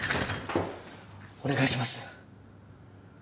お願いします！